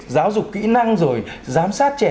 giáo dục kỹ năng rồi giám sát trẻ